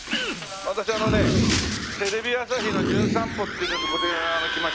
私あのねテレビ朝日の『じゅん散歩』っていうのでこちらに来ました